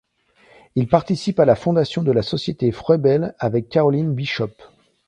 Il participe à la fondation de la société Froebel avec Caroline Bishop.